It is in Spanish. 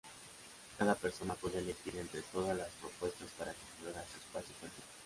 Cada persona puede elegir entre todas las propuestas para configurar su espacio personal.